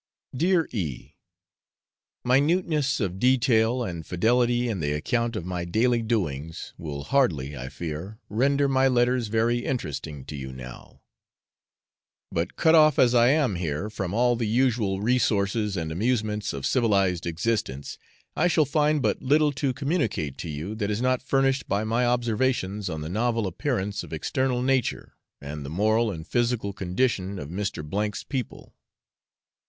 Dear E . Minuteness of detail, and fidelity in the account of my daily doings, will hardly, I fear, render my letters very interesting to you now; but cut off as I am here from all the usual resources and amusements of civilised existence, I shall find but little to communicate to you that is not furnished by my observations on the novel appearance of external nature, and the moral and physical condition of Mr. 's people.